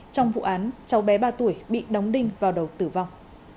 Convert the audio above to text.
trong vụ án cháu bé ba tuổi bị đóng đinh vào đầu tử vong